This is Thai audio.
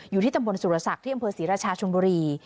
อยู่ที่ตำบลสุรศักดิ์ที่อำเภอศรีราชาชนบุรี